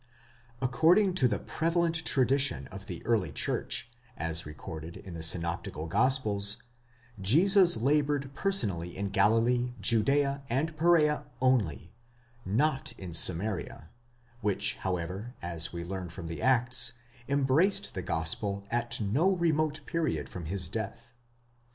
According to the prevalent tradition of the early church, as recorded in the synoptical gospels, Jesus laboured personally in Galilee, Judea, and Perea only,—not in Samaria, which, however, as we learn from the Acts, embraced the gospel at no remote period from his death.